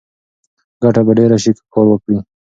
ګټه به ډېره شي که کار وکړې.